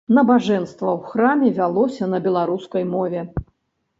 Набажэнства ў храме вялося на беларускай мове.